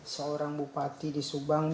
seorang bupati di subang